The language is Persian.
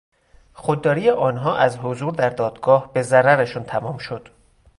خودداری آنها از حضور در دادگاه به ضررشان تمام شد.